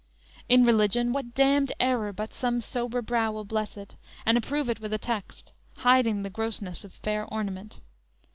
In religion, What damned error, but some sober brow Will bless it, and approve it with a text, Hiding the grossness with fair ornament?